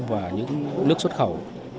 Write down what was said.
và những nước xuất khẩu